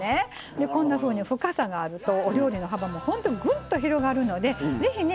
でこんなふうに深さがあるとお料理の幅もほんとぐんと広がるので是非ね